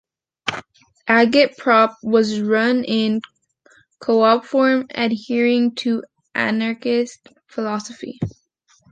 Agit-Prop was run in co-op form adhering to anarchist philosophy.